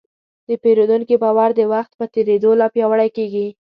د پیرودونکي باور د وخت په تېرېدو لا پیاوړی کېږي.